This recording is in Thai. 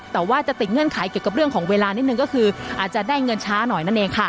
แต่ว่าจะติดเงื่อนไขเกี่ยวกับเรื่องของเวลานิดนึงก็คืออาจจะได้เงินช้าหน่อยนั่นเองค่ะ